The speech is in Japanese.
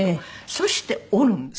そして織るんです。